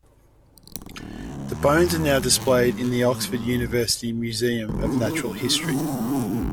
The bones are now displayed in the Oxford University Museum of Natural History.